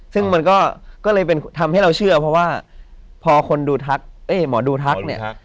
ซึ่งมันก็เลยทำให้เราเชื่อเพราะว่าพอหมอดูทักเนี่ย